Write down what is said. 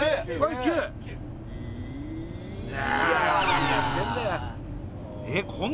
何やってんだよ。